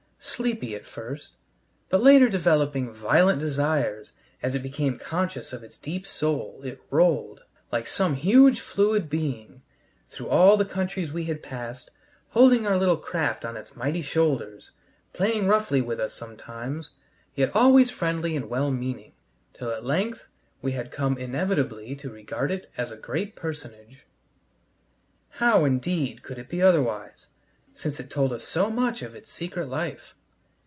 Sleepy at first, but later developing violent desires as it became conscious of its deep soul, it rolled, like some huge fluid being, through all the countries we had passed, holding our little craft on its mighty shoulders, playing roughly with us sometimes, yet always friendly and well meaning, till at length we had come inevitably to regard it as a Great Personage. How, indeed, could it be otherwise, since it told us so much of its secret life?